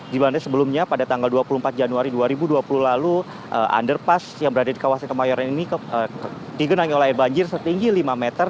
di mana sebelumnya pada tanggal dua puluh empat januari dua ribu dua puluh lalu underpass yang berada di kawasan kemayoran ini digenangi oleh banjir setinggi lima meter